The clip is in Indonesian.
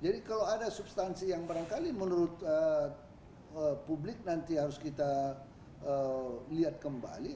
jadi kalau ada substansi yang barangkali menurut publik nanti harus kita lihat kembali